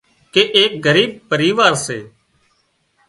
ڪي ايڪ ڳريٻ پريوار سي